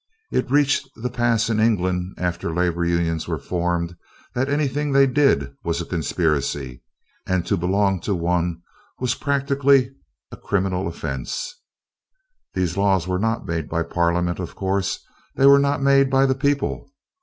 It reached that pass in England after labor unions were formed, that anything they did was a conspiracy, and to belong to one was practically a criminal offense. These laws were not made by Parliament; of course they were not made by the people.